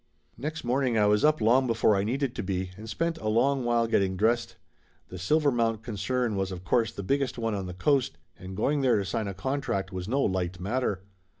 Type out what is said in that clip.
Next morning I was up long before I needed to be, and spent a long while getting dressed. The Silver mount concern was, of course, the biggest one on the Coast, and going there to sign a contract was no light matter.